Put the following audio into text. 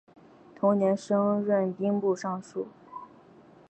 同年升任兵部尚书。